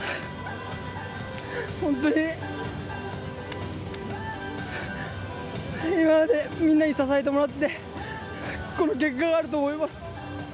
本当に今までみんなに支えてもらってこの結果があると思います。